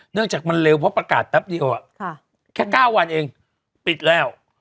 จากมันเร็วเพราะประกาศแป๊บเดียวแค่๙วันเองปิดแล้ว